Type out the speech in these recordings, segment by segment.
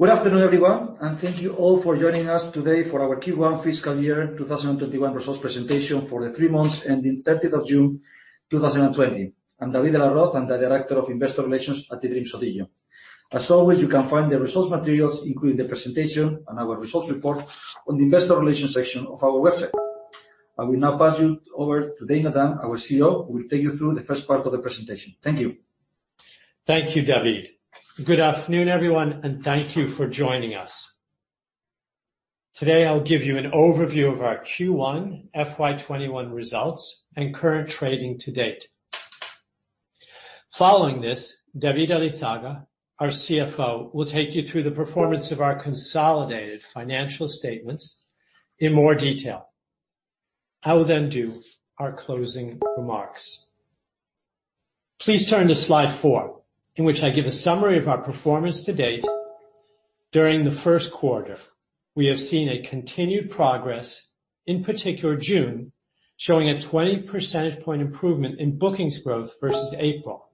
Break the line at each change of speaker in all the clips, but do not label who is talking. Good afternoon, everyone, and thank you all for joining us today for our Q1 fiscal year 2021 results presentation for the three months ending 30th of June 2020. I'm David de la Roz, I'm the Director of Investor Relations at eDreams ODIGEO. As always, you can find the results materials, including the presentation and our results report, on the investor relations section of our website. I will now pass you over to Dana Dunne, our CEO, who will take you through the first part of the presentation. Thank you.
Thank you, David. Good afternoon, everyone, and thank you for joining us. Today, I'll give you an overview of our Q1 FY 2021 results and current trading to date. Following this, David Elizaga, our CFO, will take you through the performance of our consolidated financial statements in more detail. I will then do our closing remarks. Please turn to slide four, in which I give a summary of our performance to date. During the first quarter, we have seen a continued progress, in particular June, showing a 20 percentage point improvement in bookings growth versus April,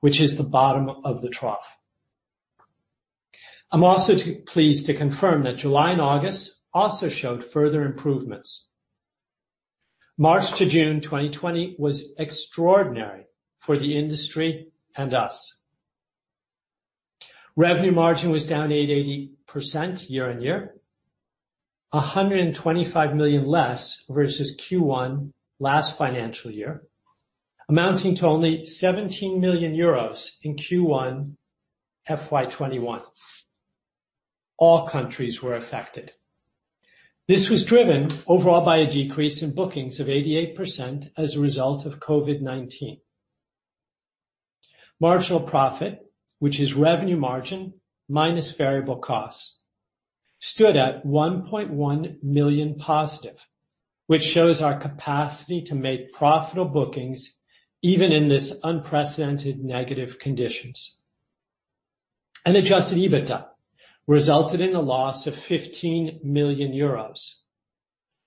which is the bottom of the trough. I'm also pleased to confirm that July and August also showed further improvements. March to June 2020 was extraordinary for the industry and us. Revenue margin was down 88% year-on-year, 125 million less versus Q1 last financial year, amounting to only 17 million euros in Q1 FY 2021. All countries were affected. This was driven overall by a decrease in bookings of 88% as a result of COVID-19. Marginal profit, which is revenue margin minus variable costs, stood at 1.1 million positive, which shows our capacity to make profitable bookings even in this unprecedented negative conditions. Adjusted EBITDA resulted in a loss of 15 million euros,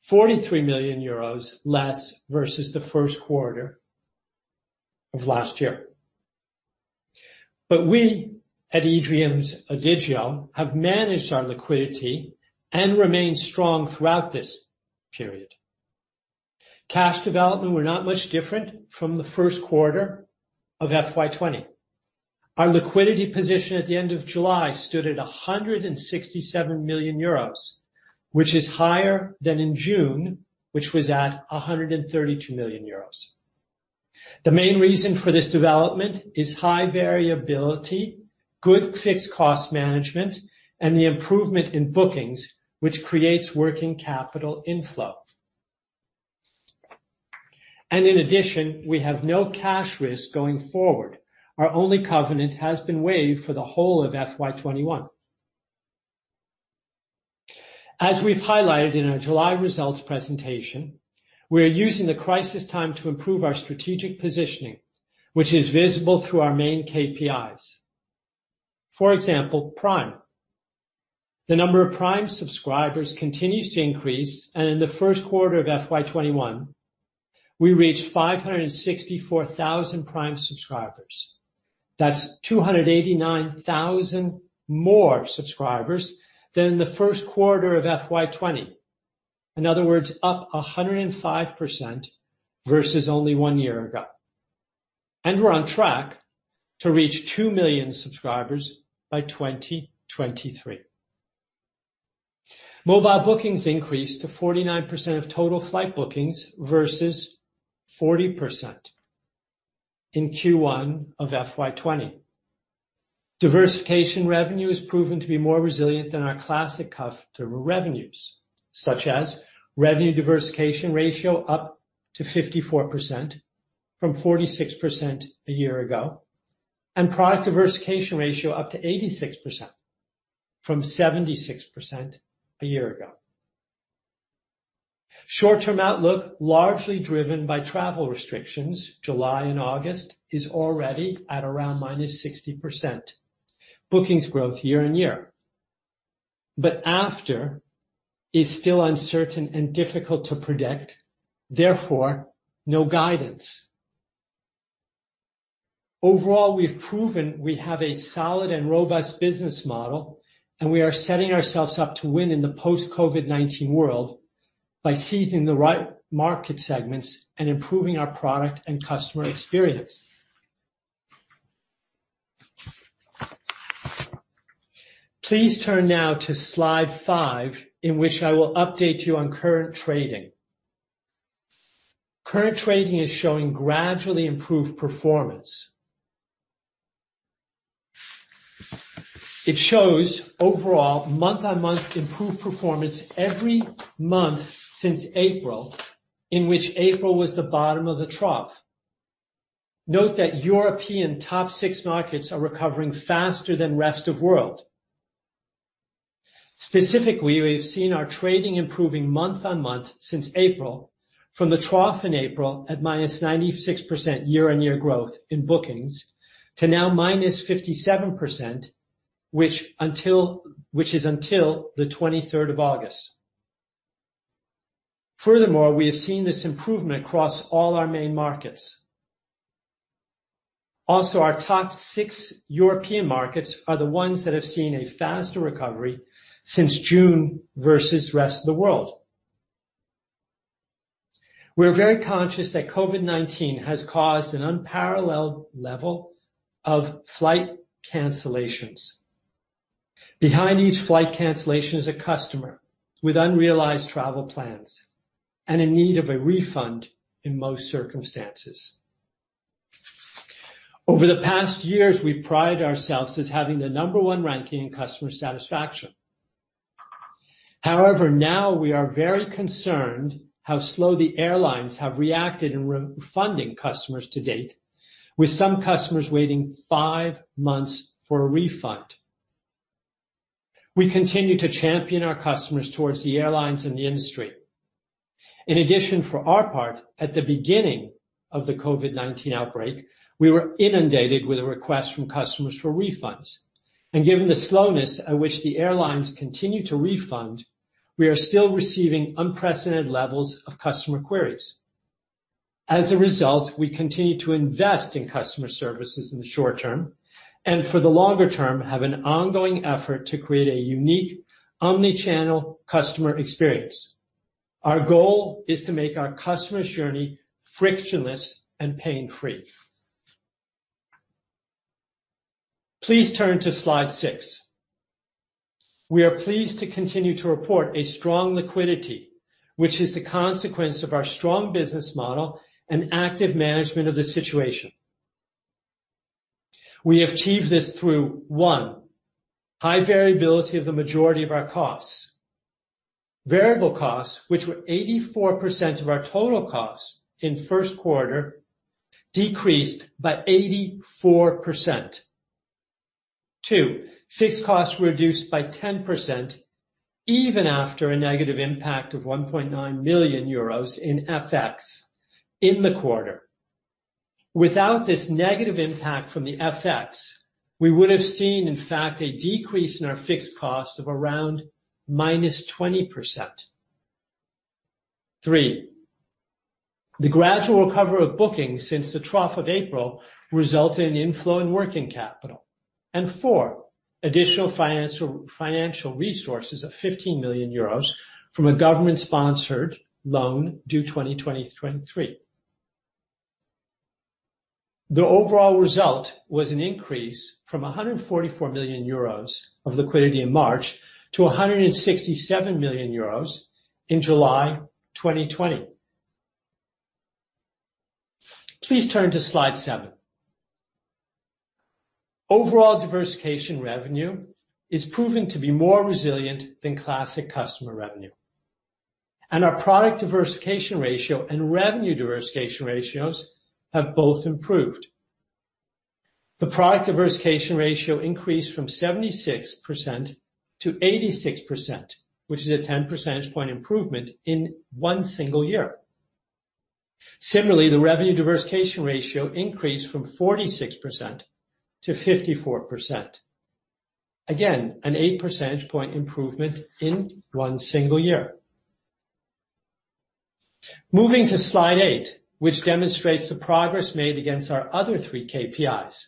43 million euros less versus the first quarter of last year. We at eDreams ODIGEO have managed our liquidity and remained strong throughout this period. Cash development were not much different from the first quarter of FY 2020. Our liquidity position at the end of July stood at 167 million euros, which is higher than in June, which was at 132 million euros. The main reason for this development is high variability, good fixed cost management, and the improvement in bookings, which creates working capital inflow. In addition, we have no cash risk going forward. Our only covenant has been waived for the whole of FY 2021. As we've highlighted in our July results presentation, we're using the crisis time to improve our strategic positioning, which is visible through our main KPIs. For example, Prime. The number of Prime subscribers continues to increase, and in the first quarter of FY 2021, we reached 564,000 Prime subscribers. That's 289,000 more subscribers than the first quarter of FY 2020. In other words, up 105% versus only one year ago. We're on track to reach 2 million subscribers by 2023. Mobile bookings increased to 49% of total flight bookings versus 40% in Q1 of FY 2020. Diversification revenue has proven to be more resilient than our classic customer revenues, such as revenue diversification ratio up to 54% from 46% a year ago, and product diversification ratio up to 86% from 76% a year ago. Short-term outlook, largely driven by travel restrictions, July and August, is already at around -60% bookings growth year-on-year. After is still uncertain and difficult to predict, therefore, no guidance. Overall, we've proven we have a solid and robust business model, and we are setting ourselves up to win in the post-COVID-19 world by seizing the right market segments and improving our product and customer experience. Please turn now to slide five, in which I will update you on current trading. Current trading is showing gradually improved performance. It shows overall month-on-month improved performance every month since April, in which April was the bottom of the trough. Note that European top six markets are recovering faster than rest of world. Specifically, we've seen our trading improving month-on-month since April, from the trough in April at -96% year-on-year growth in bookings to now -57%, which is until the 23rd of August. Furthermore, we have seen this improvement across all our main markets. Also, our top six European markets are the ones that have seen a faster recovery since June versus the rest of the world. We're very conscious that COVID-19 has caused an unparalleled level of flight cancellations. Behind each flight cancellation is a customer with unrealized travel plans and in need of a refund in most circumstances. Over the past years, we prided ourselves as having the number one ranking in customer satisfaction. However, now we are very concerned how slow the airlines have reacted in refunding customers to date, with some customers waiting five months for a refund. We continue to champion our customers towards the airlines and the industry. In addition, for our part, at the beginning of the COVID-19 outbreak, we were inundated with requests from customers for refunds. Given the slowness at which the airlines continue to refund, we are still receiving unprecedented levels of customer queries. As a result, we continue to invest in customer services in the short term, and for the longer term, have an ongoing effort to create a unique omni-channel customer experience. Our goal is to make our customer's journey frictionless and pain-free. Please turn to slide six. We are pleased to continue to report a strong liquidity, which is the consequence of our strong business model and active management of the situation. We achieved this through, one, high variability of the majority of our costs. Variable costs, which were 84% of our total costs in the first quarter, decreased by 84%. Two, fixed costs were reduced by 10%, even after a negative impact of 1.9 million euros in FX in the quarter. Without this negative impact from the FX, we would have seen, in fact, a decrease in our fixed costs of around -20%. Three, the gradual recover of bookings since the trough of April resulted in inflow in working capital. Four, additional financial resources of 15 million euros from a government-sponsored loan due 2023. The overall result was an increase from 144 million euros of liquidity in March to 167 million euros in July 2020. Please turn to slide seven. Overall diversification revenue is proven to be more resilient than classic customer revenue, and our product diversification ratio and revenue diversification ratios have both improved. The product diversification ratio increased from 76%-86%, which is a 10 percentage point improvement in one single year. Similarly, the revenue diversification ratio increased from 46%-54%. Again, an eight percentage point improvement in one single year. Moving to slide eight, which demonstrates the progress made against our other three KPIs.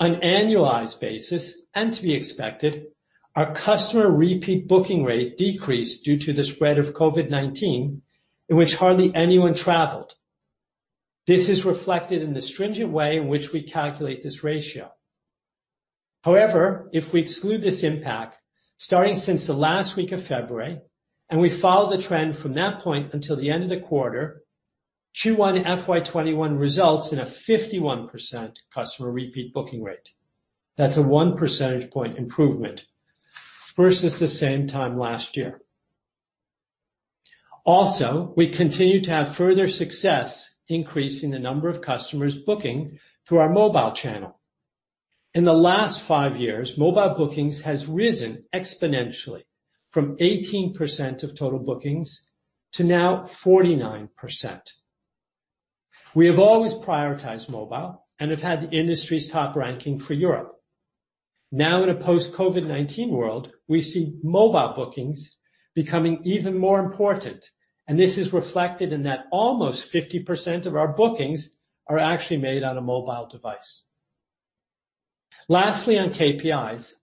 On an annualized basis, and to be expected, our customer repeat booking rate decreased due to the spread of COVID-19, in which hardly anyone traveled. This is reflected in the stringent way in which we calculate this ratio. However, if we exclude this impact, starting since the last week of February, and we follow the trend from that point until the end of the quarter, Q1 FY 2021 results in a 51% customer repeat booking rate. That's a one percentage point improvement versus the same time last year. We continue to have further success increasing the number of customers booking through our mobile channel. In the last five years, mobile bookings has risen exponentially from 18% of total bookings to now 49%. We have always prioritized mobile and have had the industry's top ranking for Europe. Now, in a post-COVID-19 world, we see mobile bookings becoming even more important, and this is reflected in that almost 50% of our bookings are actually made on a mobile device. Lastly, on KPIs,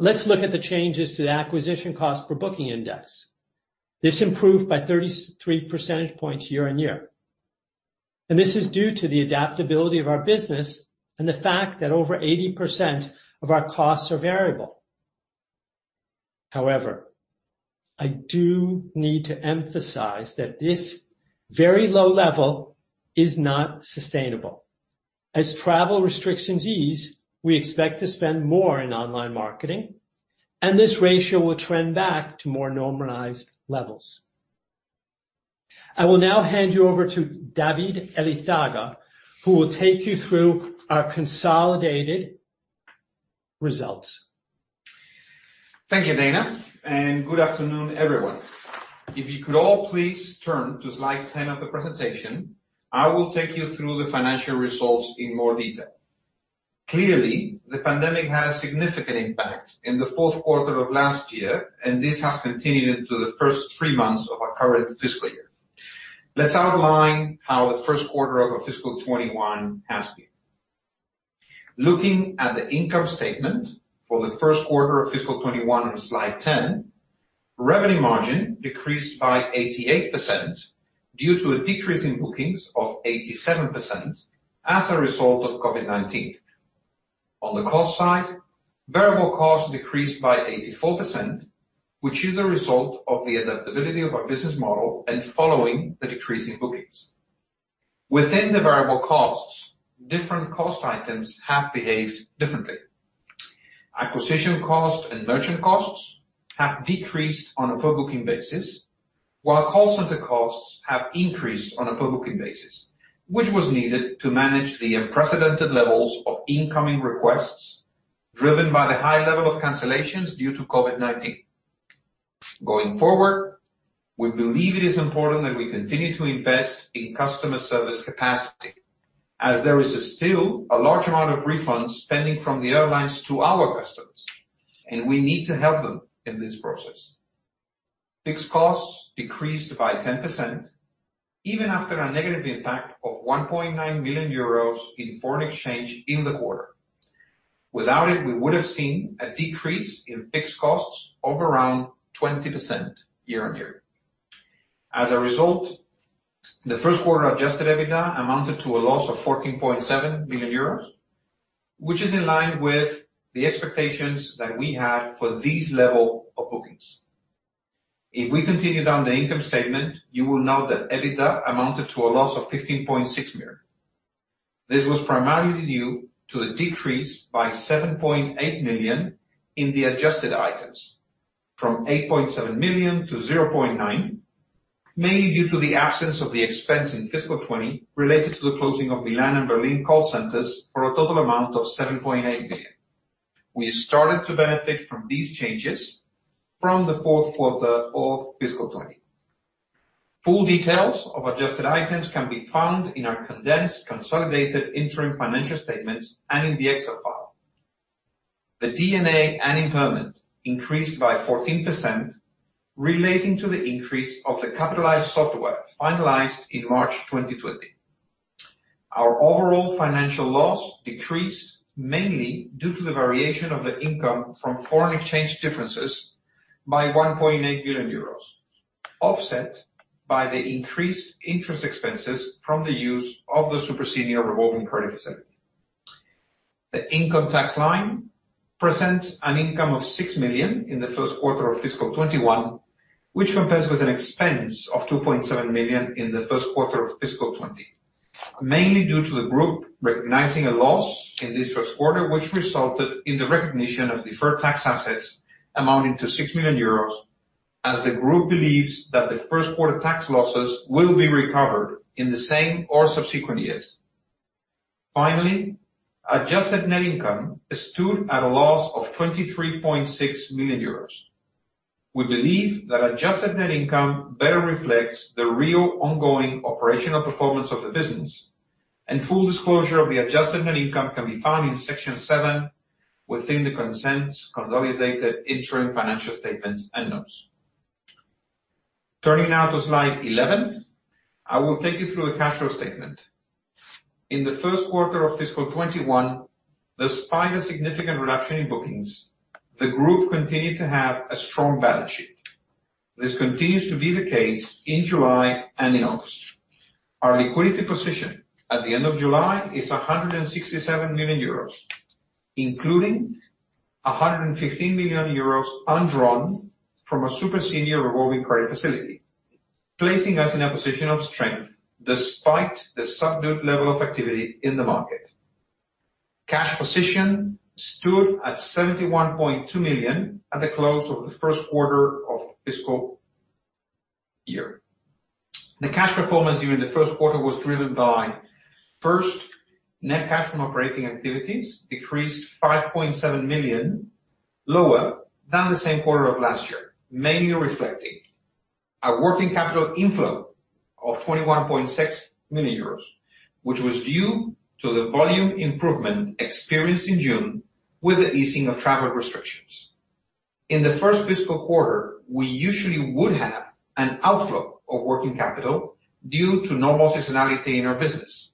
let's look at the changes to the acquisition cost per booking index. This improved by 33 percentage points year-on-year. This is due to the adaptability of our business and the fact that over 80% of our costs are variable. However, I do need to emphasize that this very low level is not sustainable. As travel restrictions ease, we expect to spend more in online marketing, and this ratio will trend back to more normalized levels. I will now hand you over to David Elizaga, who will take you through our consolidated results.
Thank you, Dana, and good afternoon, everyone. If you could all please turn to slide 10 of the presentation, I will take you through the financial results in more detail. Clearly, the pandemic had a significant impact in the fourth quarter of last year, and this has continued into the first three months of our current fiscal year. Let's outline how the first quarter of our FY 2021 has been. Looking at the income statement for the first quarter of FY 2021 on slide 10, revenue margin decreased by 88% due to a decrease in bookings of 87% as a result of COVID-19. On the cost side, variable costs decreased by 84%, which is a result of the adaptability of our business model and following the decrease in bookings. Within the variable costs, different cost items have behaved differently. Acquisition cost and merchant costs have decreased on a per booking basis, while call center costs have increased on a per booking basis, which was needed to manage the unprecedented levels of incoming requests driven by the high level of cancellations due to COVID-19. Going forward, we believe it is important that we continue to invest in customer service capacity, as there is still a large amount of refunds pending from the airlines to our customers, and we need to help them in this process. Fixed costs decreased by 10%, even after a negative impact of 1.9 million euros in foreign exchange in the quarter. Without it, we would've seen a decrease in fixed costs of around 20% year-on-year. As a result, the first quarter Adjusted EBITDA amounted to a loss of 14.7 million euros, which is in line with the expectations that we had for these level of bookings. If we continue down the income statement, you will note that EBITDA amounted to a loss of 15.6 million. This was primarily due to the decrease by 7.8 million in the adjusted items, from 8.7 million to 0.9 million, mainly due to the absence of the expense in FY 2020 related to the closing of Milan and Berlin call centers for a total amount of 7.8 million. We started to benefit from these changes from the fourth quarter of FY 2020. Full details of adjusted items can be found in our condensed consolidated interim financial statements and in the Excel file. The D&A and impairment increased by 14%, relating to the increase of the capitalized software finalized in March 2020. Our overall financial loss decreased mainly due to the variation of the income from foreign exchange differences by 1.8 million euros, offset by the increased interest expenses from the use of the super senior revolving credit facility. The income tax line presents an income of 6 million in the first quarter of FY 2021, which compares with an expense of 2.7 million in the first quarter of FY 2020. Due to the group recognizing a loss in this first quarter, which resulted in the recognition of deferred tax assets amounting to 6 million euros, as the group believes that the first quarter tax losses will be recovered in the same or subsequent years. Adjusted net income stood at a loss of 23.6 million euros. We believe that adjusted net income better reflects the real ongoing operational performance of the business, and full disclosure of the adjusted net income can be found in Section 7 within the condensed consolidated interim financial statements and notes. Turning now to slide 11, I will take you through the cash flow statement. In the first quarter of FY 2021, despite a significant reduction in bookings, the group continued to have a strong balance sheet. This continues to be the case in July and in August. Our liquidity position at the end of July is 167 million euros, including 115 million euros undrawn from a super senior revolving credit facility, placing us in a position of strength despite the subdued level of activity in the market. Cash position stood at 71.2 million at the close of the first quarter of fiscal year. The cash performance during the first quarter was driven by, first, net cash from operating activities decreased 5.7 million lower than the same quarter of last year, mainly reflecting a working capital inflow of 21.6 million euros, which was due to the volume improvement experienced in June with the easing of travel restrictions. In the first fiscal quarter, we usually would have an outflow of working capital due to normal seasonality in our business.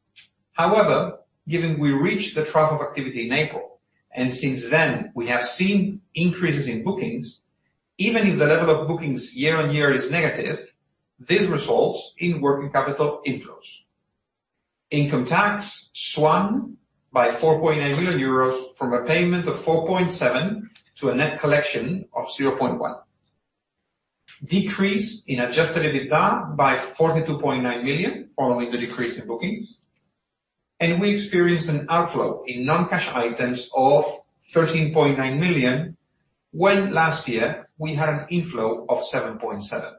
However, given we reached the trough of activity in April, and since then we have seen increases in bookings, even if the level of bookings year-on-year is negative, this results in working capital inflows. Income tax swung by 4.9 million euros from a payment of 4.7 million to a net collection of 0.1 million. Decrease in adjusted EBITDA by 42.9 million, following the decrease in bookings. We experienced an outflow in non-cash items of 13.9 million, when last year we had an inflow of 7.7 million.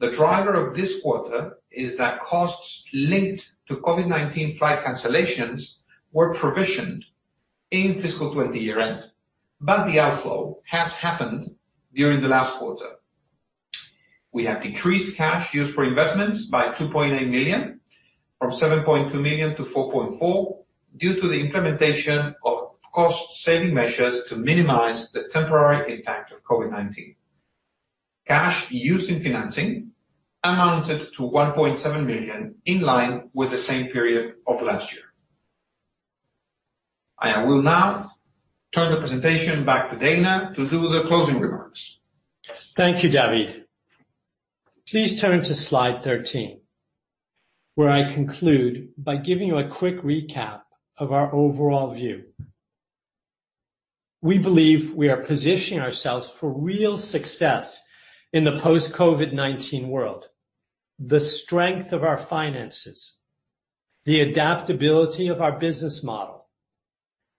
The driver of this quarter is that costs linked to COVID-19 flight cancellations were provisioned in fiscal 2020 year-end, but the outflow has happened during the last quarter. We have decreased cash used for investments by 2.8 million from 7.2 million to 4.4 million due to the implementation of cost-saving measures to minimize the temporary impact of COVID-19. Cash used in financing amounted to 1.7 million, in line with the same period of last year. I will now turn the presentation back to Dana to do the closing remarks.
Thank you, David. Please turn to slide 13, where I conclude by giving you a quick recap of our overall view. We believe we are positioning ourselves for real success in the post-COVID-19 world. The strength of our finances, the adaptability of our business model,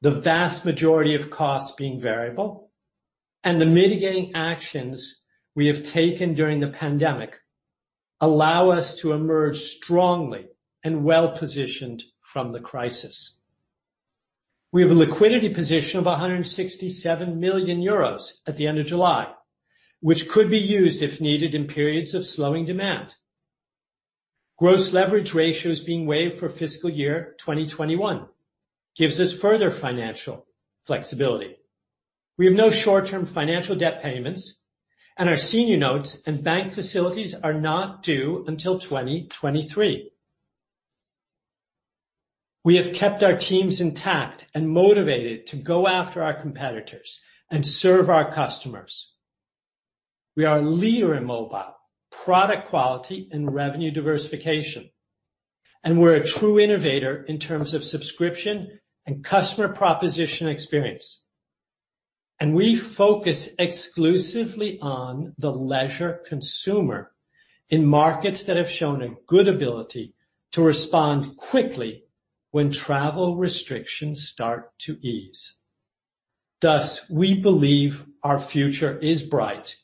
the vast majority of costs being variable, and the mitigating actions we have taken during the pandemic allow us to emerge strongly and well-positioned from the crisis. We have a liquidity position of 167 million euros at the end of July, which could be used if needed in periods of slowing demand. Gross leverage ratios being waived for fiscal year 2021 gives us further financial flexibility. We have no short-term financial debt payments. Our senior notes and bank facilities are not due until 2023. We have kept our teams intact and motivated to go after our competitors and serve our customers. We're leader in mobile product quality and revenue diversification. We're a true innovator in terms of subscription and customer proposition experience. We focus exclusively on the leisure consumer in markets that have shown a good ability to respond quickly when travel restrictions start to ease. Thus, we believe our future is bright.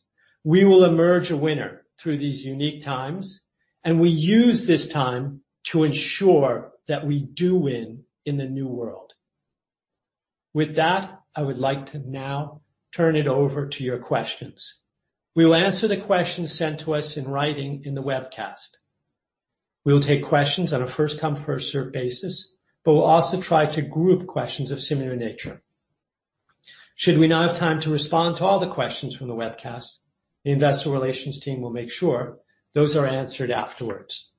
We will emerge a winner through these unique times, and we use this time to ensure that we do win in the new world. With that, I would like to now turn it over to your questions. We will answer the questions sent to us in writing in the webcast. We will take questions on a first-come, first-served basis, but we'll also try to group questions of similar nature. Should we not have time to respond to all the questions from the webcast, the investor relations team will make sure those are answered afterwards.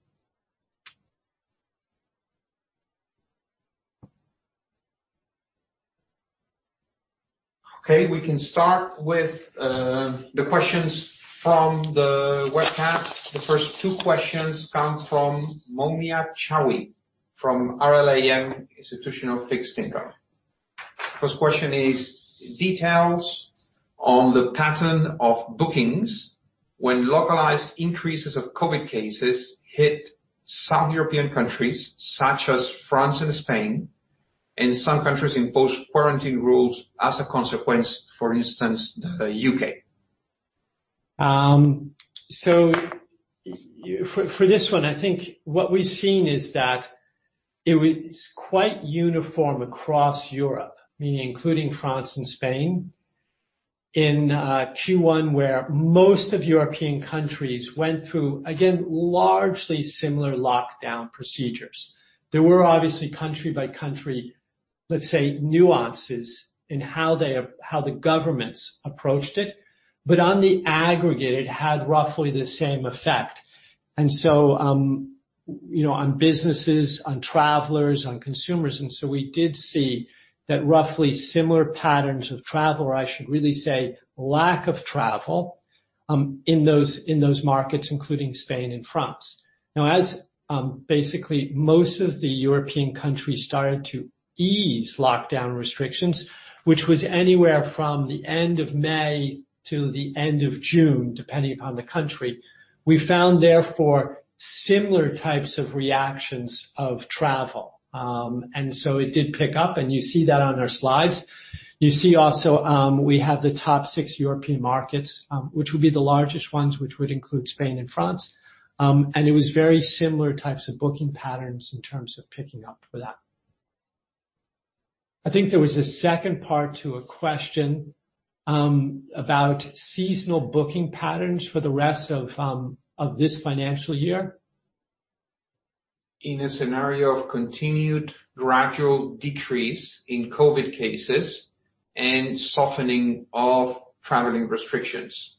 Okay, we can start with the questions from the webcast. The first two questions come from Mounia Chaoui, from RLAM Institutional Fixed Income. First question is, details on the pattern of bookings when localized increases of COVID cases hit South European countries such as France and Spain, and some countries impose quarantine rules as a consequence, for instance, the U.K.
For this one, I think what we've seen is that it's quite uniform across Europe, meaning including France and Spain in Q1, where most of European countries went through, again, largely similar lockdown procedures. There were obviously country by country, let's say, nuances in how the governments approached it. On the aggregate, it had roughly the same effect. On businesses, on travelers, on consumers. We did see that roughly similar patterns of travel, or I should really say, lack of travel, in those markets, including Spain and France. As basically most of the European countries started to ease lockdown restrictions, which was anywhere from the end of May to the end of June, depending on the country. We found, therefore, similar types of reactions of travel. It did pick up, and you see that on our slides. You see also, we have the top six European markets, which would be the largest ones, which would include Spain and France. It was very similar types of booking patterns in terms of picking up for that. I think there was a second part to a question about seasonal booking patterns for the rest of this financial year.
In a scenario of continued gradual decrease in COVID cases and softening of traveling restrictions.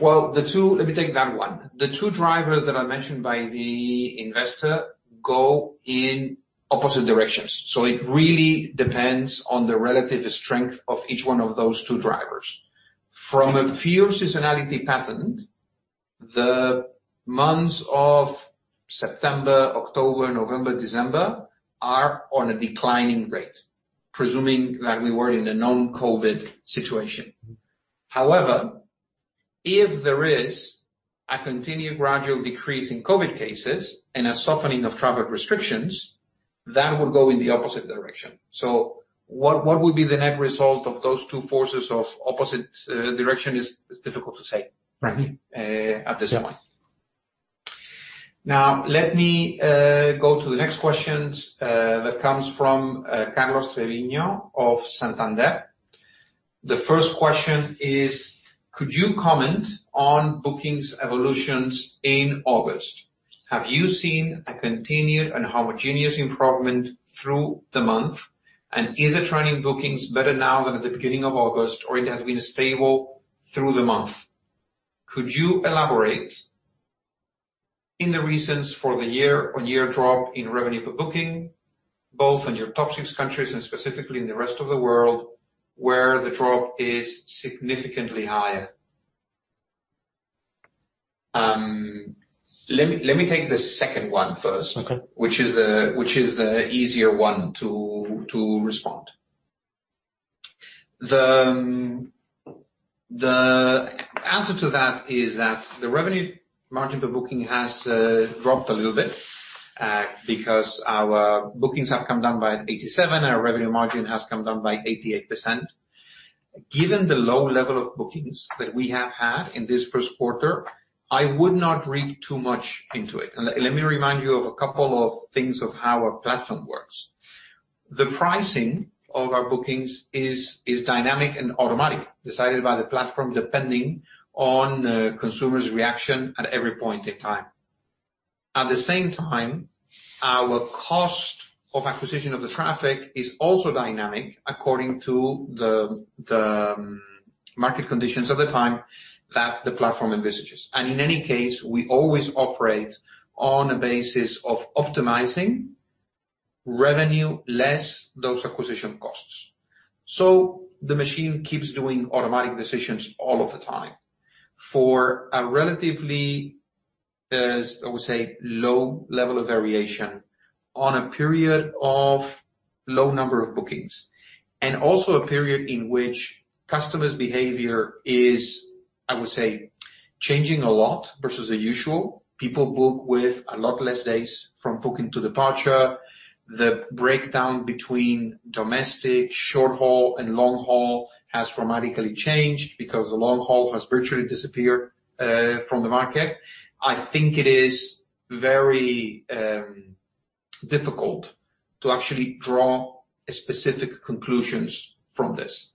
Well, let me take that one. The two drivers that are mentioned by the investor go in opposite directions. It really depends on the relative strength of each one of those two drivers. From a pure seasonality pattern, the months of September, October, November, December are on a declining rate, presuming that we were in a non-COVID situation. However, if there is a continued gradual decrease in COVID cases and a softening of travel restrictions, that will go in the opposite direction. What would be the net result of those two forces of opposite direction is difficult to say.
Right.
At this point. Let me go to the next question that comes from Carlos Soriano of Santander. The first question is: Could you comment on bookings evolutions in August? Have you seen a continued and homogeneous improvement through the month? Is the trend in bookings better now than at the beginning of August, or it has been stable through the month? Could you elaborate in the reasons for the year-on-year drop in revenue per booking, both on your top six countries and specifically in the rest of the world, where the drop is significantly higher? Let me take the second one first.
Okay.
Which is the easier one to respond? The answer to that is that the revenue margin per booking has dropped a little bit, because our bookings have come down by 87%, and our revenue margin has come down by 88%. Given the low level of bookings that we have had in this first quarter, I would not read too much into it. Let me remind you of a couple of things of how our platform works. The pricing of our bookings is dynamic and automatic, decided by the platform depending on the consumer's reaction at every point in time. At the same time, our cost of acquisition of the traffic is also dynamic according to the market conditions at the time that the platform envisages. In any case, we always operate on a basis of optimizing revenue less those acquisition costs. The machine keeps doing automatic decisions all of the time for a relatively, I would say, low level of variation on a period of low number of bookings, and also a period in which customers' behavior is, I would say, changing a lot versus the usual. People book with a lot less days from booking to departure. The breakdown between domestic short-haul and long-haul has dramatically changed because the long-haul has virtually disappeared from the market. I think it is very difficult to actually draw specific conclusions from this.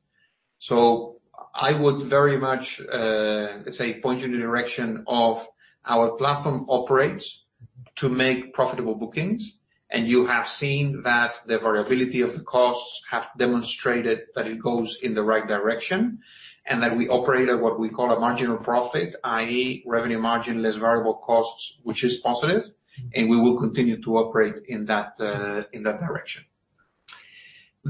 I would very much, let's say, point you in the direction of our platform operates to make profitable bookings, and you have seen that the variability of the costs have demonstrated that it goes in the right direction, and that we operate at what we call a marginal profit, i.e., revenue margin less variable costs, which is positive, and we will continue to operate in that direction.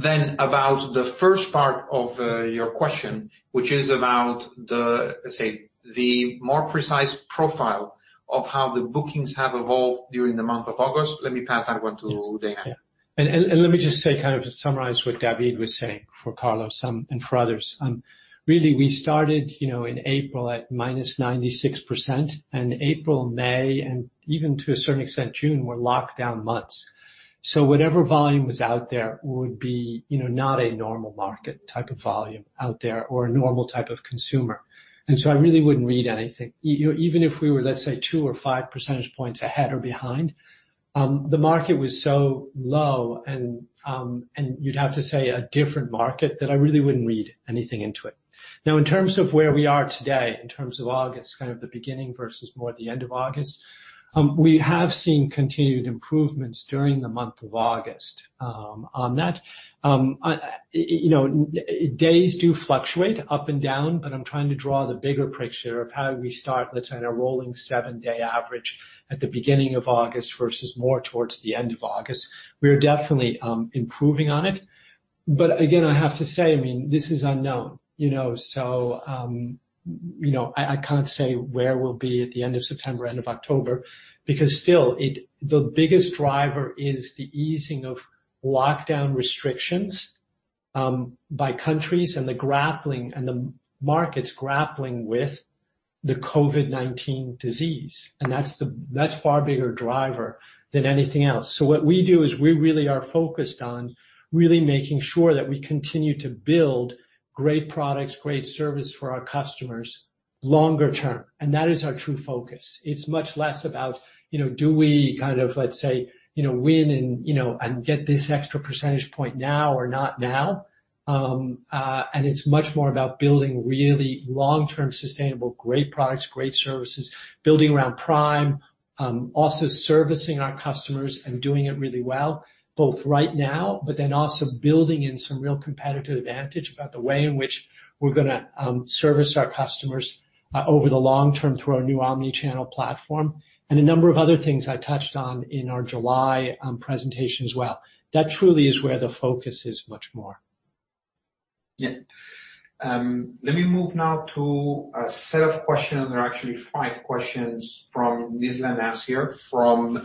About the first part of your question, which is about the, let's say, the more precise profile of how the bookings have evolved during the month of August. Let me pass that one to Dana.
Yeah. Let me just say, kind of to summarize what David was saying, for Carlos and for others. Really, we started in April at -96%, and April, May, and even to a certain extent June, were lockdown months. Whatever volume was out there would be not a normal market type of volume out there or a normal type of consumer. I really wouldn't read anything. Even if we were, let's say, two or five percentage points ahead or behind, the market was so low and you'd have to say a different market, that I really wouldn't read anything into it. In terms of where we are today, in terms of August, kind of the beginning versus more the end of August, we have seen continued improvements during the month of August on that. Days do fluctuate up and down. I'm trying to draw the bigger picture of how we start, let's say, on a rolling seven-day average at the beginning of August versus more towards the end of August. We are definitely improving on it. Again, I have to say, this is unknown. I can't say where we'll be at the end of September, end of October, because still, the biggest driver is the easing of lockdown restrictions by countries and the markets grappling with the COVID-19 disease, and that's far bigger driver than anything else. What we do is we really are focused on really making sure that we continue to build great products, great service for our customers longer term. That is our true focus. It's much less about do we kind of, let's say, win and get this extra percentage point now or not now. It's much more about building really long-term sustainable great products, great services, building around Prime, also servicing our customers and doing it really well, both right now, but then also building in some real competitive advantage about the way in which we're going to service our customers over the long term through our new omni-channel platform and a number of other things I touched on in our July presentation as well. That truly is where the focus is much more.
Yeah. Let me move now to a set of questions. There are actually five questions from Nizla Naizer from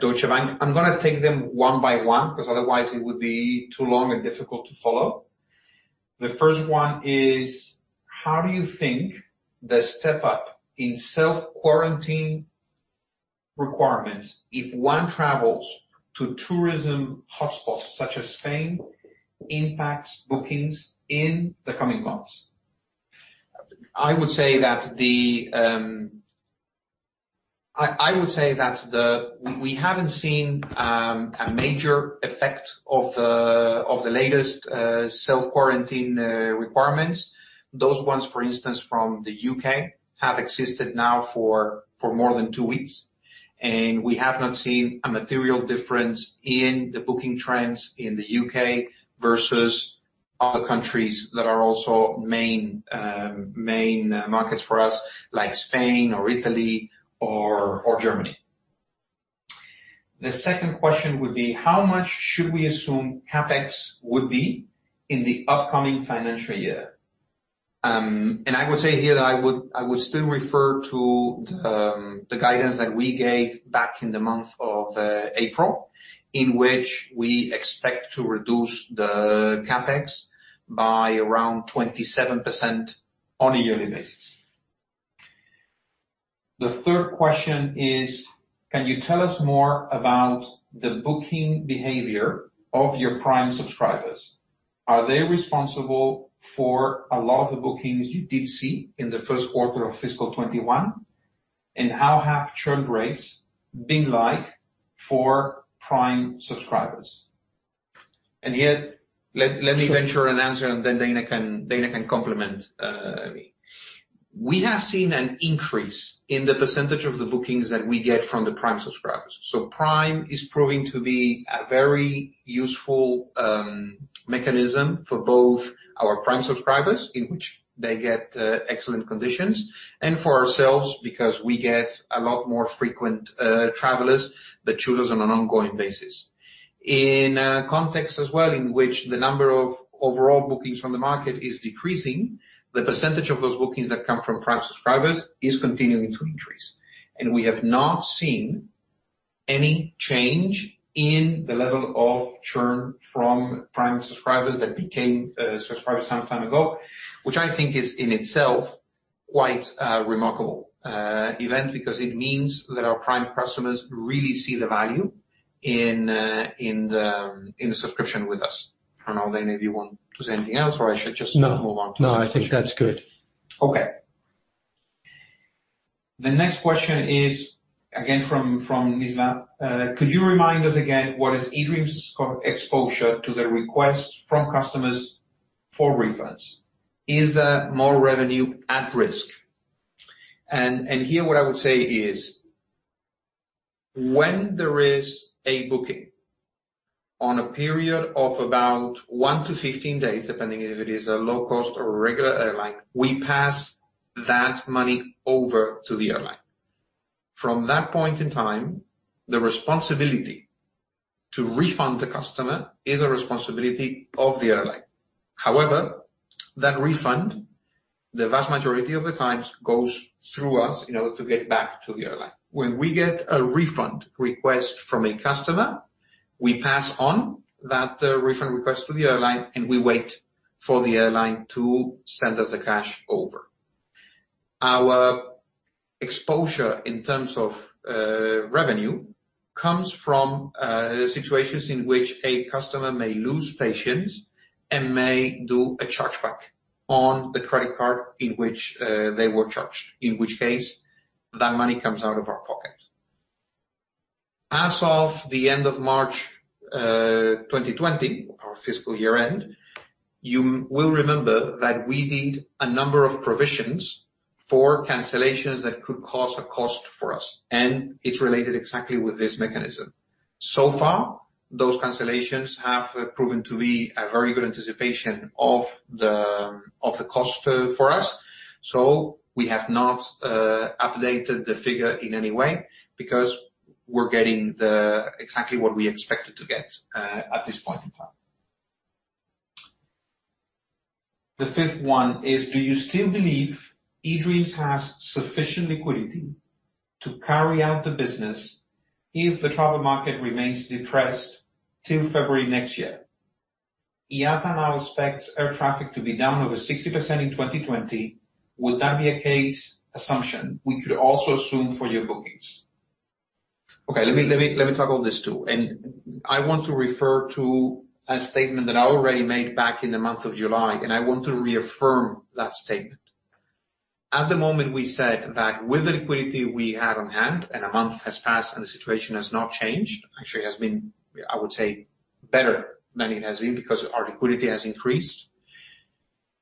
Deutsche Bank. I'm going to take them one by one, because otherwise it would be too long and difficult to follow. The first one is: how do you think the step up in self-quarantine requirements, if one travels to tourism hotspots such as Spain, impacts bookings in the coming months? I would say that we haven't seen a major effect of the latest self-quarantine requirements. Those ones, for instance, from the U.K., have existed now for more than two weeks, and we have not seen a material difference in the booking trends in the U.K. versus other countries that are also main markets for us, like Spain or Italy or Germany. The second question would be: how much should we assume CapEx would be in the upcoming financial year? I would say here that I would still refer to the guidance that we gave back in the month of April, in which we expect to reduce the CapEx by around 27% on a yearly basis. The third question is: can you tell us more about the booking behavior of your Prime subscribers? Are they responsible for a lot of the bookings you did see in the first quarter of FY 2021? How have churn rates been like for Prime subscribers? Here, let me venture an answer, and then Dana can complement me. We have seen an increase in the percentage of the bookings that we get from the Prime subscribers. Prime is proving to be a very useful mechanism for both our Prime subscribers, in which they get excellent conditions, and for ourselves, because we get a lot more frequent travelers that choose us on an ongoing basis. In a context as well in which the number of overall bookings from the market is decreasing, the percentage of those bookings that come from Prime subscribers is continuing to increase. We have not seen any change in the level of churn from Prime subscribers that became subscribers some time ago, which I think is, in itself, quite a remarkable event, because it means that our Prime customers really see the value in the subscription with us. I don't know, Dana, if you want to say anything else, or I should just move on.
No, I think that's good.
Okay. The next question is, again, from Nizla. Could you remind us again, what is eDreams' exposure to the request from customers for refunds? Is there more revenue at risk? Here, what I would say is, when there is a booking on a period of about one to 15 days, depending if it is a low-cost or regular airline, we pass that money over to the airline. From that point in time, the responsibility to refund the customer is a responsibility of the airline. However, that refund, the vast majority of the times, goes through us to get back to the airline. When we get a refund request from a customer, we pass on that refund request to the airline, and we wait for the airline to send us the cash over. Our exposure in terms of revenue comes from situations in which a customer may lose patience and may do a chargeback on the credit card in which they were charged, in which case, that money comes out of our pocket. As of the end of March 2020, our fiscal year end, you will remember that we did a number of provisions for cancellations that could cause a cost for us, and it's related exactly with this mechanism. So far, those cancellations have proven to be a very good anticipation of the cost for us. We have not updated the figure in any way because we're getting exactly what we expected to get at this point in time. The fifth one is: do you still believe eDreams has sufficient liquidity to carry out the business if the travel market remains depressed till February next year? IATA now expects air traffic to be down over 60% in 2020. Would that be a case assumption we could also assume for your bookings? Okay, let me talk on this, too. I want to refer to a statement that I already made back in the month of July, and I want to reaffirm that statement. At the moment, we said that with the liquidity we had on hand, and a month has passed and the situation has not changed. It has been, I would say, better than it has been because our liquidity has increased.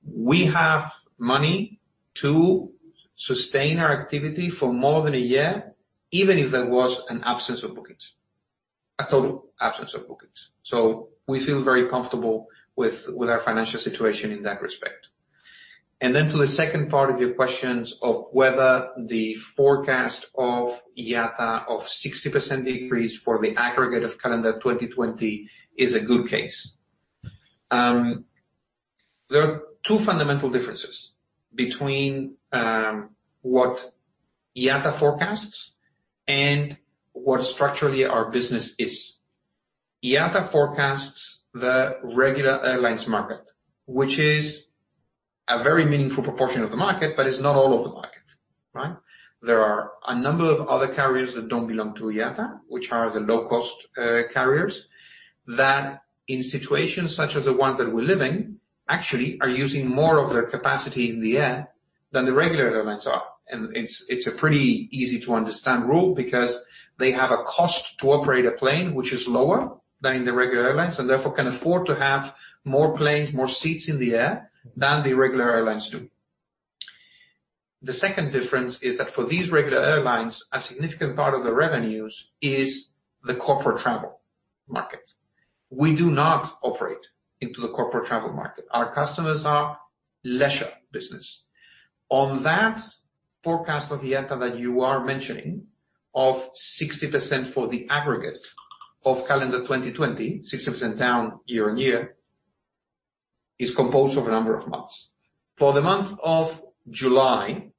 We have money to sustain our activity for more than a year, even if there was an absence of bookings, a total absence of bookings. We feel very comfortable with our financial situation in that respect. Then to the second part of your questions of whether the forecast of IATA of 60% decrease for the aggregate of calendar 2020 is a good case. There are two fundamental differences between what IATA forecasts and what structurally our business is. IATA forecasts the regular airlines market, which is a very meaningful proportion of the market, but it's not all of the market. Right. There are a number of other carriers that don't belong to IATA, which are the low-cost carriers, that in situations such as the ones that we live in, actually are using more of their capacity in the air than the regular airlines are. It's a pretty easy to understand rule because they have a cost to operate a plane which is lower than the regular airlines, and therefore can afford to have more planes, more seats in the air than the regular airlines do. The second difference is that for these regular airlines, a significant part of the revenues is the corporate travel market. We do not operate into the corporate travel market. Our customers are leisure business. That forecast of IATA that you are mentioning, of 60% for the aggregate of calendar 2020, 60% down year-on-year, is composed of a number of months. The month of July,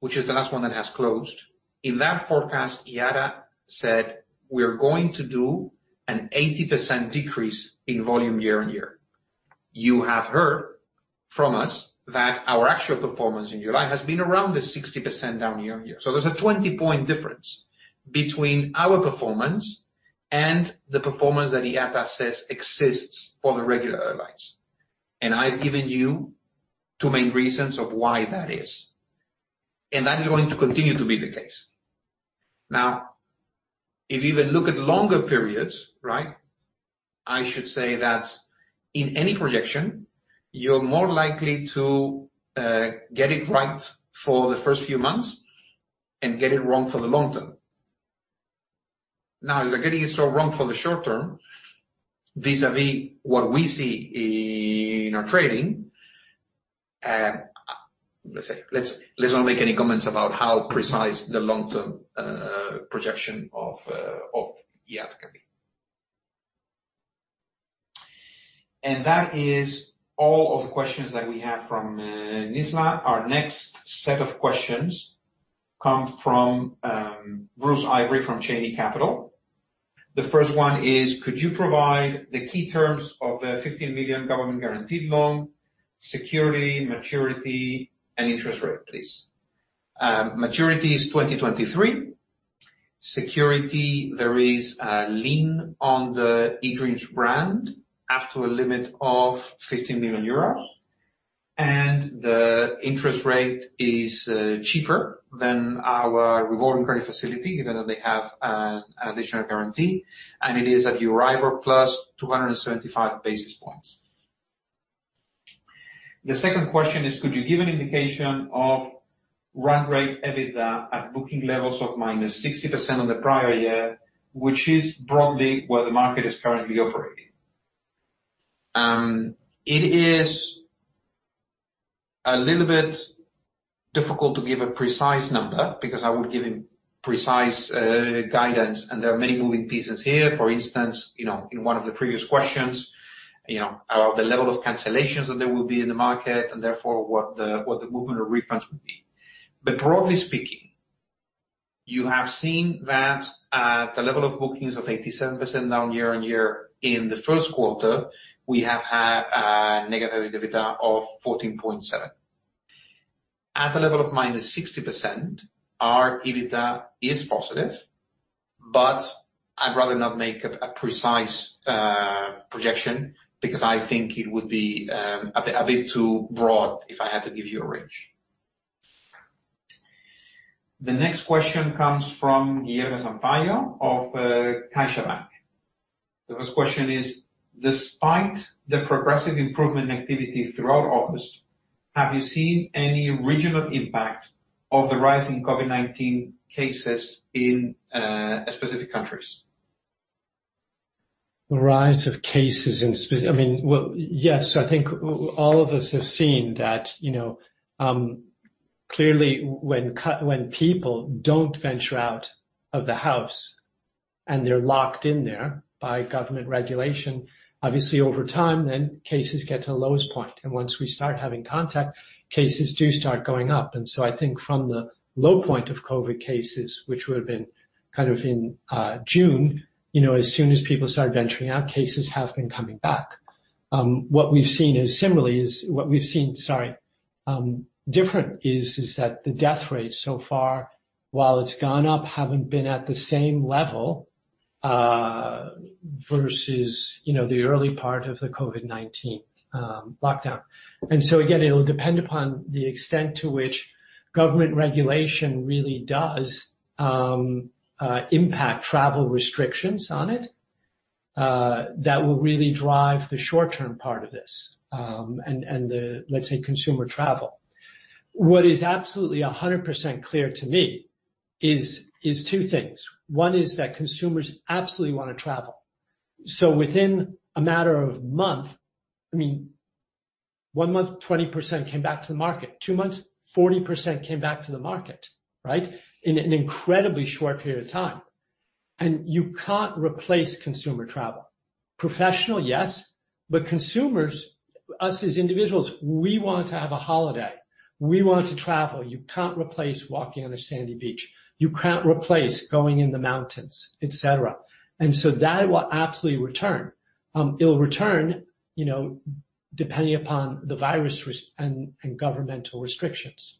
which is the last one that has closed, in that forecast, IATA said we're going to do an 80% decrease in volume year-on-year. You have heard from us that our actual performance in July has been around the 60% down year-on-year. There's a 20-point difference between our performance and the performance that IATA says exists for the regular airlines. I've given you two main reasons of why that is, and that is going to continue to be the case. If you even look at longer periods, I should say that in any projection, you're more likely to get it right for the first few months and get it wrong for the long term. They're getting it so wrong for the short term vis-a-vis what we see in our trading. Let's not make any comments about how precise the long-term projection of IATA can be. That is all of the questions that we have from Nizla. Our next set of questions come from Bruce Ivory from Cheyne Capital. The first one is, "Could you provide the key terms of the 15 million government guaranteed loan, security, maturity, and interest rate, please?" Maturity is 2023. Security, there is a lien on the eDreams brand up to a limit of 15 million euros, and the interest rate is cheaper than our revolving credit facility, even though they have an additional guarantee, and it is at Euribor plus 275 basis points. The second question is, "Could you give an indication of run rate EBITDA at booking levels of -60% on the prior year, which is broadly where the market is currently operating?" It is a little bit difficult to give a precise number because I would give you precise guidance, and there are many moving pieces here. For instance, in one of the previous questions, the level of cancellations that there will be in the market, and therefore what the movement of refunds would be. Broadly speaking, you have seen that at the level of bookings of 87% down year-on-year in the first quarter, we have had a negative EBITDA of 14.7. At the level of -60%, our EBITDA is positive, but I'd rather not make a precise projection because I think it would be a bit too broad if I had to give you a range. The next question comes from Jerome Sampayo of CaixaBank. The first question is, "Despite the progressive improvement in activity throughout August, have you seen any regional impact of the rise in COVID-19 cases in specific countries?
The rise of cases in Well, yes. I think all of us have seen that clearly when people don't venture out of the house and they're locked in there by government regulation, obviously over time then cases get to the lowest point. Once we start having contact, cases do start going up. I think from the low point of COVID cases, which would have been in June, as soon as people started venturing out, cases have been coming back. What we've seen different is that the death rate so far, while it's gone up, haven't been at the same level versus the early part of the COVID-19 lockdown. Again, it'll depend upon the extent to which government regulation really does impact travel restrictions on it. That will really drive the short-term part of this, and let's say consumer travel. What is absolutely 100% clear to me is two things. One is that consumers absolutely want to travel. Within a matter of month, one month, 20% came back to the market. Two months, 40% came back to the market. In an incredibly short period of time. You can't replace consumer travel. Professional, yes. Consumers, us as individuals, we want to have a holiday. We want to travel. You can't replace walking on a sandy beach. You can't replace going in the mountains, et cetera. That will absolutely return. It'll return depending upon the virus risk and governmental restrictions.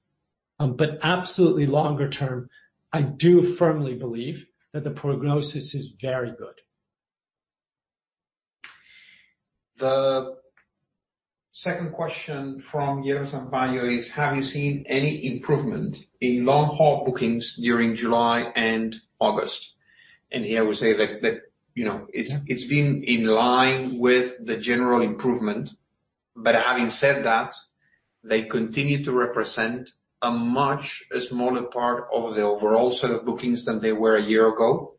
Absolutely longer term, I do firmly believe that the prognosis is very good.
The second question from Jerome Sampayo is, have you seen any improvement in long-haul bookings during July and August?
Yeah.
It's been in line with the general improvement. Having said that, they continue to represent a much smaller part of the overall set of bookings than they were a year ago,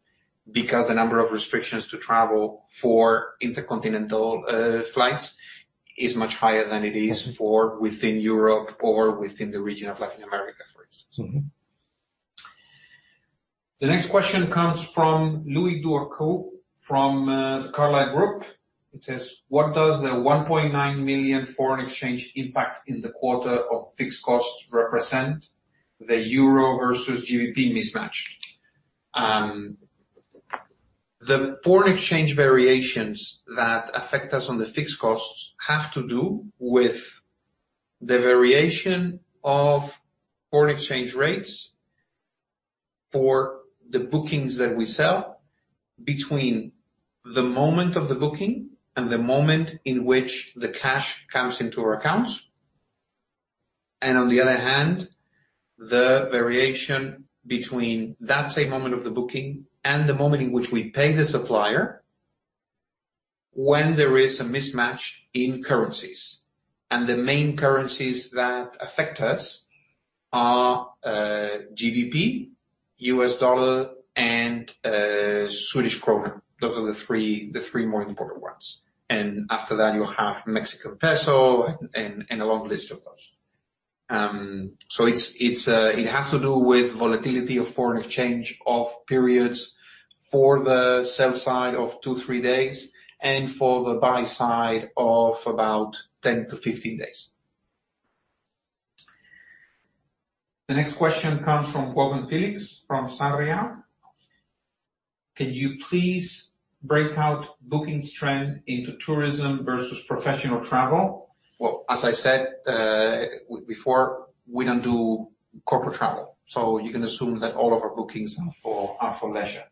because the number of restrictions to travel for intercontinental flights is much higher than it is for within Europe or within the region of Latin America, for instance. The next question comes from Louis DeConinck from the Carlyle Group. It says, "What does the 1.9 million foreign exchange impact in the quarter of fixed costs represent? The euro versus GBP mismatch." The foreign exchange variations that affect us on the fixed costs have to do with the variation of foreign exchange rates for the bookings that we sell between the moment of the booking and the moment in which the cash comes into our accounts. On the other hand, the variation between that same moment of the booking and the moment in which we pay the supplier when there is a mismatch in currencies. The main currencies that affect us are GBP, U.S. dollar, and Swedish krona. Those are the three more important ones. After that, you have Mexican peso and a long list of those. It has to do with volatility of foreign exchange of periods for the sell side of two, three days, and for the buy side of about 10-15 days. The next question comes from Quentin Phillips from Sarria. Can you please break out bookings trend into tourism versus professional travel?
Well, as I said before, we don't do corporate travel, so you can assume that all of our bookings are for leisure.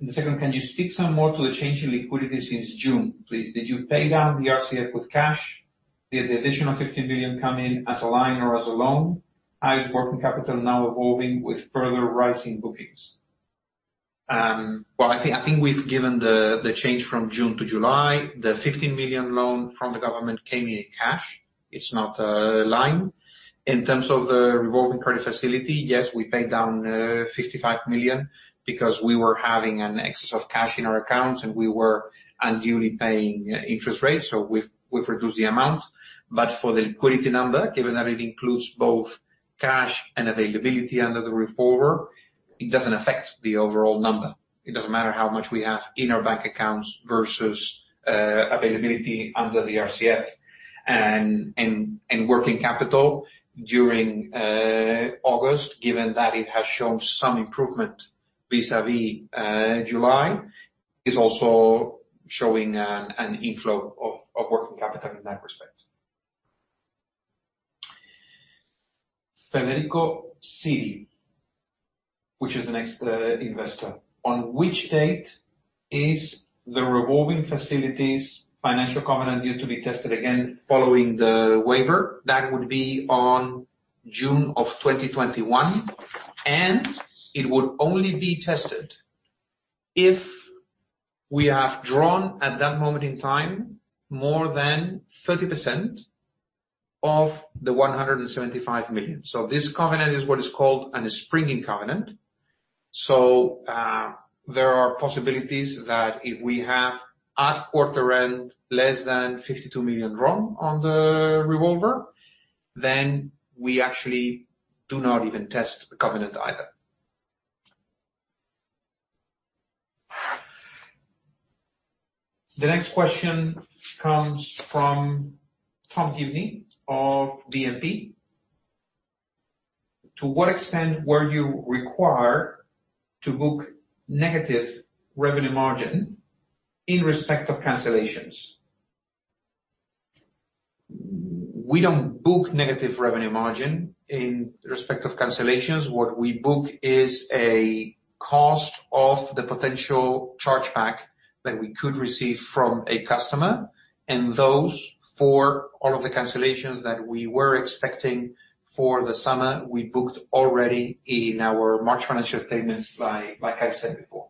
The second, can you speak some more to the change in liquidity since June, please? Did you pay down the RCF with cash? Did the additional 15 million come in as a line or as a loan? How is working capital now evolving with further rise in bookings? Well, I think we've given the change from June to July. The 15 million loan from the government came in cash. It's not a line. In terms of the revolving credit facility, yes, we paid down 55 million because we were having an excess of cash in our accounts, and we were unduly paying interest rates. We've reduced the amount. For the liquidity number, given that it includes both cash and availability under the revolver, it doesn't affect the overall number. It doesn't matter how much we have in our bank accounts versus availability under the RCF. Working capital during August, given that it has shown some improvement vis-a-vis July, is also showing an inflow of working capital in that respect. Federico, Citi, which is the next investor. On which date is the revolving facilities financial covenant due to be tested again following the waiver? It would be on June of 2021, and it would only be tested if we have drawn at that moment in time more than 30% of the 175 million. This covenant is what is called a springing covenant. There are possibilities that if we have at quarter end less than 52 million drawn on the revolver, we actually do not even test the covenant either. The next question comes from Tom Gibney of BNP. To what extent were you required to book negative revenue margin in respect of cancellations?
We don't book negative revenue margin in respect of cancellations. What we book is a cost of the potential chargeback that we could receive from a customer. Those, for all of the cancellations that we were expecting for the summer, we booked already in our March financial statements, like I said before.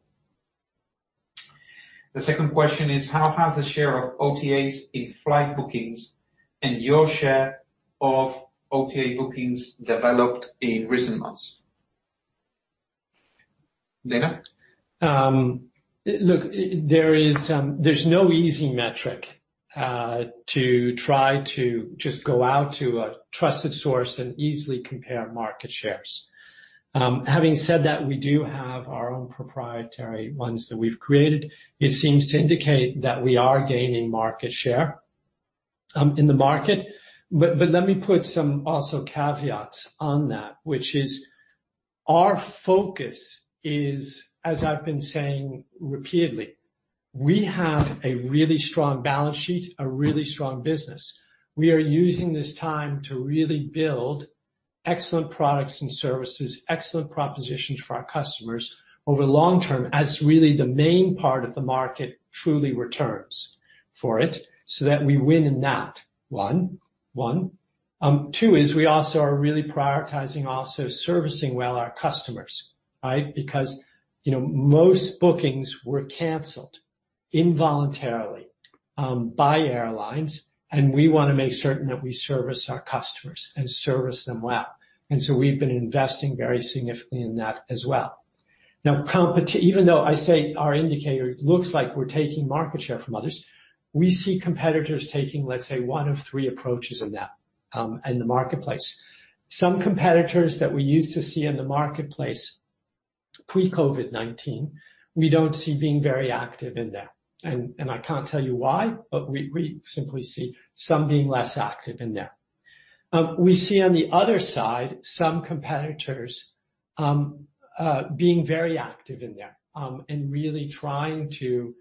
The second question is, how has the share of OTAs in flight bookings and your share of OTA bookings developed in recent months? Dana?
Look, there's no easy metric to try to just go out to a trusted source and easily compare market shares. Having said that, we do have our own proprietary ones that we've created. It seems to indicate that we are gaining market share. In the market. Let me put some also caveats on that, which is our focus is, as I've been saying repeatedly, we have a really strong balance sheet, a really strong business. We are using this time to really build excellent products and services, excellent propositions for our customers over the long term as really the main part of the market truly returns for it, so that we win in that, one. Two is we also are really prioritizing also servicing well our customers. Because most bookings were canceled involuntarily by airlines, and we want to make certain that we service our customers and service them well. So we've been investing very significantly in that as well. Now, even though I say our indicator looks like we're taking market share from others, we see competitors taking, let's say, one of three approaches in that in the marketplace. Some competitors that we used to see in the marketplace pre-COVID-19, we don't see being very active in there. I can't tell you why, but we simply see some being less active in there. We see on the other side some competitors being very active in there and really trying to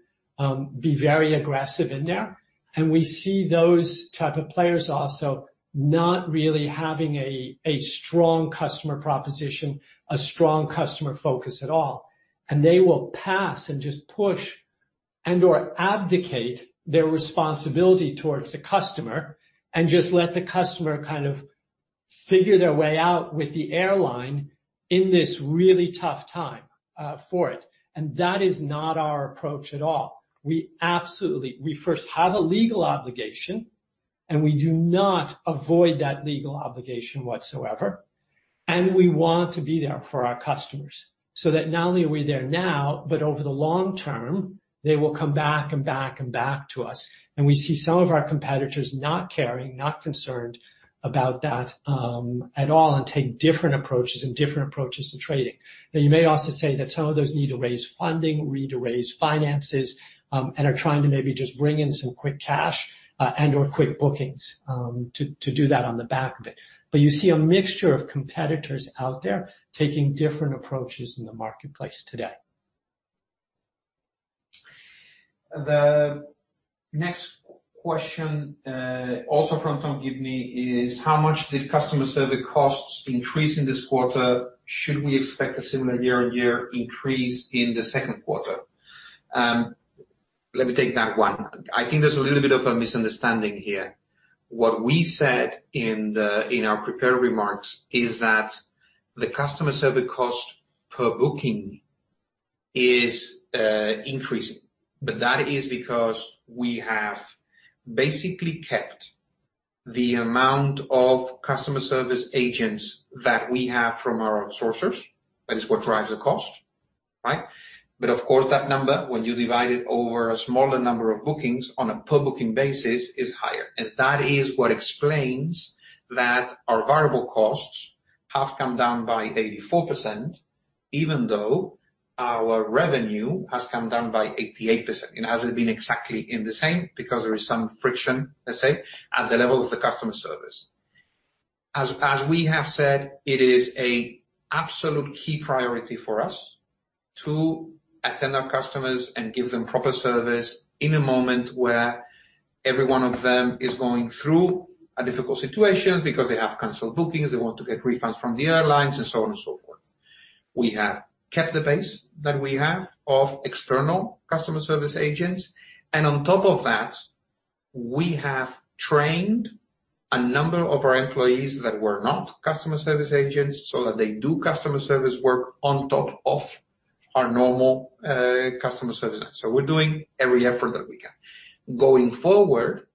be very aggressive in there. We see those type of players also not really having a strong customer proposition, a strong customer focus at all. They will pass and just push and/or abdicate their responsibility towards the customer and just let the customer kind of figure their way out with the airline in this really tough time for it. That is not our approach at all. We first have a legal obligation, and we do not avoid that legal obligation whatsoever. We want to be there for our customers so that not only are we there now, but over the long term, they will come back and back and back to us. We see some of our competitors not caring, not concerned about that at all, and take different approaches to trading. You may also say that some of those need to raise funding, need to raise finances, and are trying to maybe just bring in some quick cash and/or quick bookings to do that on the back of it. You see a mixture of competitors out there taking different approaches in the marketplace today.
The next question, also from Tom Gibney, is how much did customer service costs increase in this quarter? Should we expect a similar year-on-year increase in the second quarter? Let me take that one. I think there's a little bit of a misunderstanding here. What we said in our prepared remarks is that the customer service cost per booking is increasing. That is because we have basically kept the amount of customer service agents that we have from our outsourcers. That is what drives the cost. Of course that number, when you divide it over a smaller number of bookings on a per booking basis, is higher. That is what explains that our variable costs have come down by 84%, even though our revenue has come down by 88%. It hasn't been exactly in the same because there is some friction, let's say, at the level of the customer service. As we have said, it is a absolute key priority for us to attend our customers and give them proper service in a moment where every one of them is going through a difficult situation because they have canceled bookings, they want to get refunds from the airlines and so on and so forth. We have kept the base that we have of external customer service agents. On top of that, we have trained a number of our employees that were not customer service agents so that they do customer service work on top of our normal customer service agents. We're doing every effort that we can. Going forward,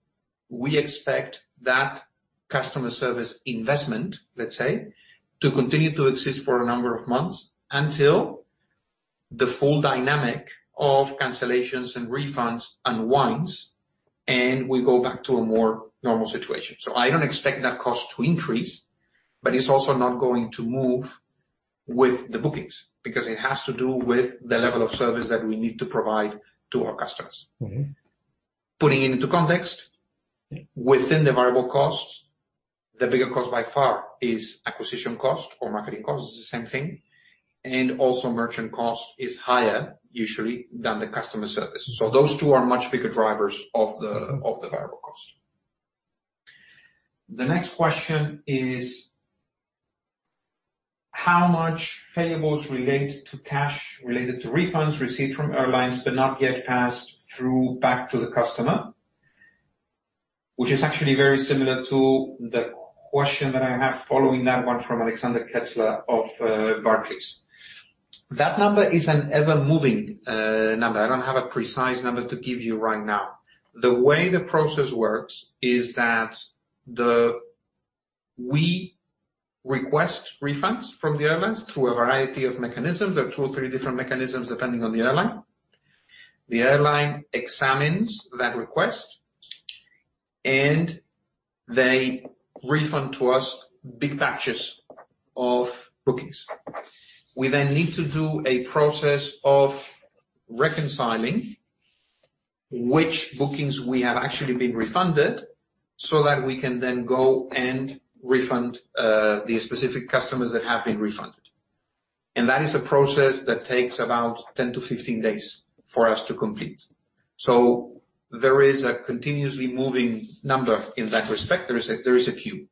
we expect that customer service investment, let's say, to continue to exist for a number of months until the full dynamic of cancellations and refunds unwinds and we go back to a more normal situation. I don't expect that cost to increase, but it's also not going to move with the bookings because it has to do with the level of service that we need to provide to our customers. Putting it into context, within the variable costs, the bigger cost by far is acquisition cost or marketing cost, it's the same thing, and also merchant cost is higher usually than the customer service. Those two are much bigger drivers of the variable cost. The next question is how much payables relate to cash related to refunds received from airlines but not yet passed through back to the customer, which is actually very similar to the question that I have following that one from Alexander Kessler of Barclays. That number is an ever-moving number. I don't have a precise number to give you right now. The way the process works is that we request refunds from the airlines through a variety of mechanisms. There are two or three different mechanisms depending on the airline. The airline examines that request and they refund to us big batches of bookings. We then need to do a process of reconciling which bookings we have actually been refunded so that we can then go and refund the specific customers that have been refunded. That is a process that takes about 10 to 15 days for us to complete. There is a continuously moving number in that respect. There is a queue.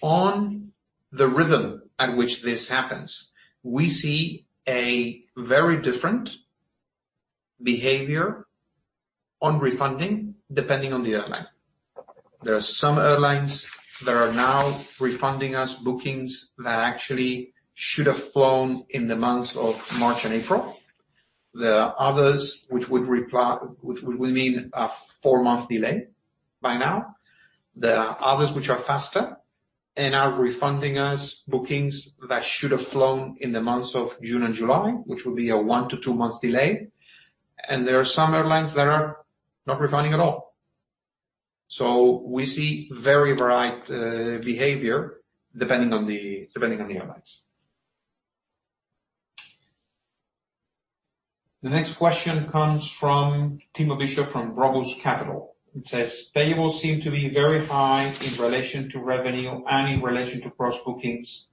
On the rhythm at which this happens, we see a very different behavior on refunding, depending on the airline. There are some airlines that are now refunding us bookings that actually should have flown in the months of March and April. There are others which would mean a four-month delay by now. There are others which are faster and are refunding us bookings that should have flown in the months of June and July, which will be a one to two months delay. There are some airlines that are not refunding at all. We see very varied behavior depending on the airlines. The next question comes from Tim Bishop from Robus Capital. It says, "Payables seem to be very high in relation to revenue and in relation to gross bookings.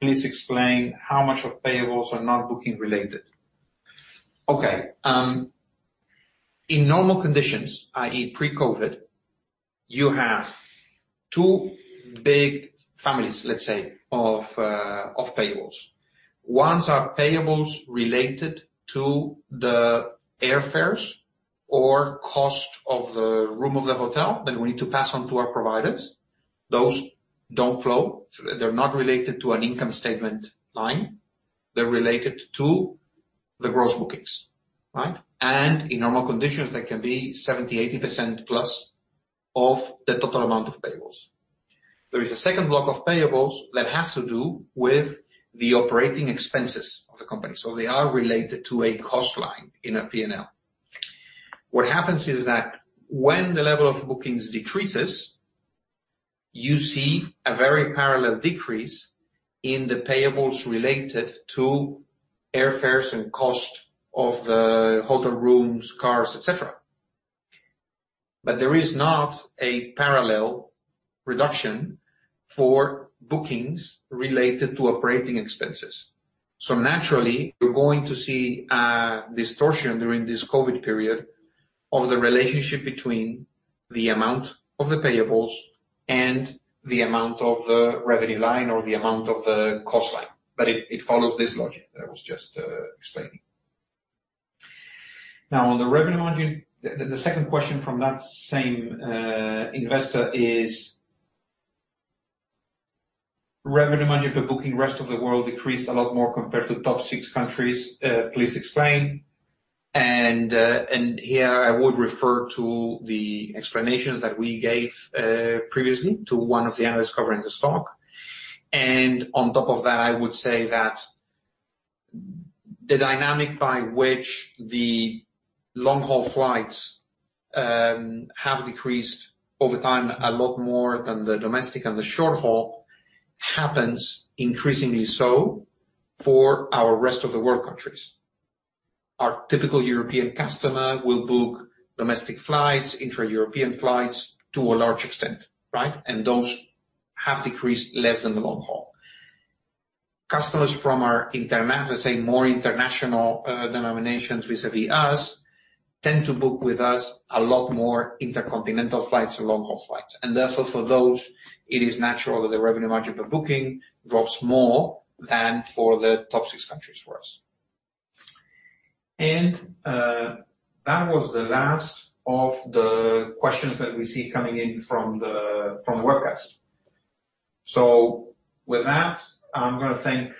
Please explain how much of payables are non-booking related." Okay. In normal conditions, i.e., pre-COVID, you have two big families, let's say, of payables. One are payables related to the airfares or cost of the room of the hotel that we need to pass on to our providers. Those don't flow. They're not related to an income statement line. They're related to the gross bookings, right? In normal conditions, they can be 70%, 80%+ of the total amount of payables. There is a second block of payables that has to do with the operating expenses of the company. They are related to a cost line in a P&L. What happens is that when the level of bookings decreases, you see a very parallel decrease in the payables related to airfares and cost of the hotel rooms, cars, et cetera. There is not a parallel reduction for bookings related to operating expenses. Naturally, you're going to see a distortion during this COVID period of the relationship between the amount of the payables and the amount of the revenue line or the amount of the cost line. It follows this logic that I was just explaining. On the revenue margin, the second question from that same investor is, "Revenue margin per booking rest of the world decreased a lot more compared to top six countries. Please explain." Here I would refer to the explanations that we gave previously to one of the analysts covering the stock. On top of that, I would say that the dynamic by which the long-haul flights have decreased over time, a lot more than the domestic and the short-haul, happens increasingly so for our rest of the world countries. Our typical European customer will book domestic flights, intra-European flights to a large extent, right? Those have decreased less than the long haul. Customers from our, let's say, more international denominations vis-à-vis us, tend to book with us a lot more intercontinental flights or long-haul flights. Therefore, for those, it is natural that the revenue margin per booking drops more than for the top six countries for us. That was the last of the questions that we see coming in from the webcast. With that, I am going to thank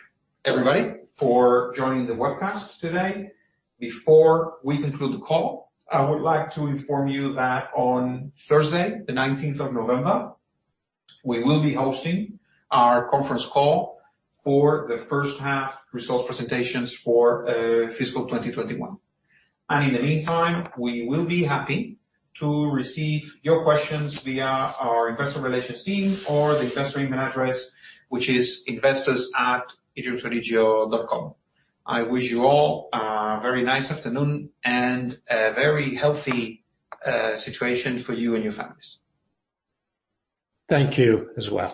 everybody for joining the webcast today. Before we conclude the call, I would like to inform you that on Thursday, the 19th of November, we will be hosting our conference call for the first half results presentations for fiscal 2021. In the meantime, we will be happy to receive your questions via our investor relations team or the investor email address, which is investors@edreamsodigeo.com. I wish you all a very nice afternoon and a very healthy situation for you and your families.
Thank you as well.